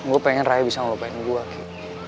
gue pengen raya bisa ngelupain gue ki